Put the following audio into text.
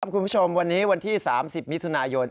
คุณผู้ชมวันนี้วันที่๓๐มิถุนายน